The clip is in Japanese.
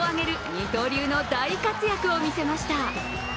二刀流の大活躍を見せました。